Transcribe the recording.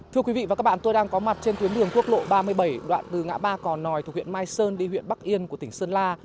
thưa quý vị và các bạn tôi đang có mặt trên tuyến đường quốc lộ ba mươi bảy đoạn từ ngã ba cò nòi thuộc huyện mai sơn đi huyện bắc yên của tỉnh sơn la